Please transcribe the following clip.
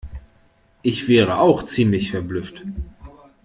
Ich wäre auch ziemlich verblüfft.